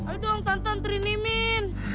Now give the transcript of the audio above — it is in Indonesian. aduh tante nganterin min